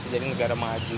jadi negara maju